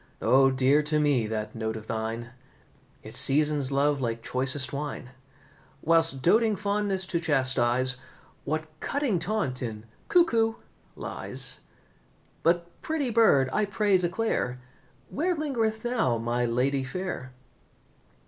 O, dear to me that note of thine, It seasons love like choicest wine; Whilst, doating fondness to chastise, What cutting taunt in 'Cuckoo' lies! But, pretty bird, I pray declare Where lingereth now my lady fair?"